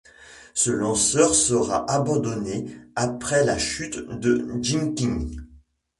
Ce lanceur sera abandonné après la chute de Jiang Qing.